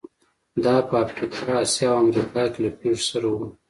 دا په افریقا، اسیا او امریکا کې له پېښو سره وو.